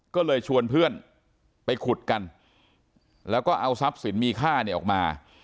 ก็เลยชวนเพื่อนไปขุดกันแล้วก็เอาทรัพย์สินมีค่าเนี่ยออกมา